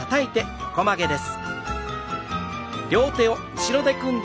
横曲げです。